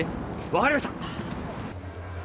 分かりました。